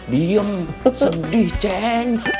diem sedih ceng